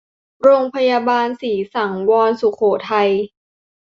โรงพยาบาลศรีสังวรสุโขทัย